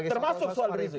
termasuk soal rizik